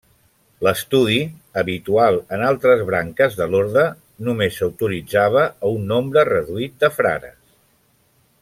L'estudi, habitual en altres branques de l'orde, només s'autoritzava a un nombre reduït de frares.